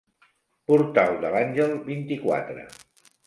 Portal de l'Àngel, vint-i-quatre.